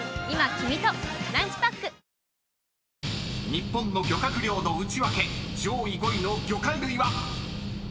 ［日本の漁獲量のウチワケ上位５位の魚介類は？］